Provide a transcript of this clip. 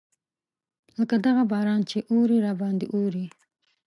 لکه دغه باران چې اوري راباندې اوري.